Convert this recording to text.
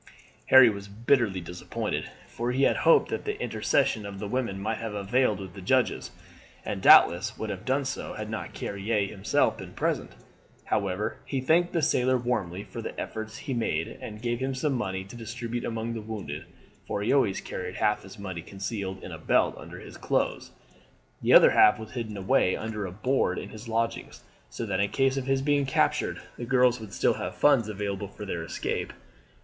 Harry was bitterly disappointed, for he had hoped that the intercession of the women might have availed with the judges, and doubtless would have done so had not Carrier himself been present. However, he thanked the sailor warmly for the efforts he had made and gave him some money to distribute among the wounded, for he always carried half his money concealed in a belt under his clothes. The other half was hidden away under a board in his lodgings, so that in case of his being captured the girls would still have funds available for their escape.